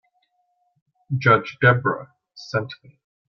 Judge Debra sent me.